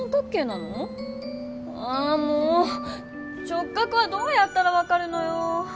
直角はどうやったらわかるのよ。